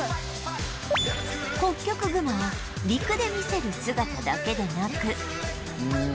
ホッキョクグマは陸で見せる姿だけでなく